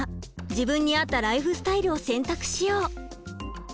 自分に合ったライフスタイルを選択しよう。